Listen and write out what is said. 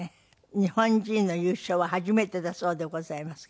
日本人の優勝は初めてだそうでございますけど。